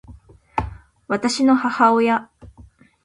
私の母親